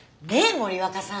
森若さん。